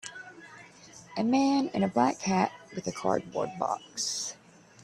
A man in a black hat, with a cardboard box.